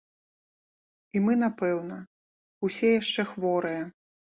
І мы, напэўна, усе яшчэ хворыя.